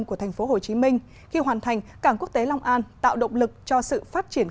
của tp hcm khi hoàn thành cảng quốc tế long an tạo động lực cho sự phát triển